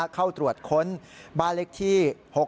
เข้าตรวจค้นบ้านเล็กที่๖๖